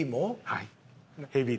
はい。